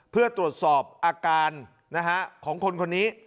เพื่อตรวจสอบอาการของคนคนนี้